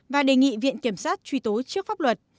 và đề nghị viện kiểm sát truy tố trước pháp luật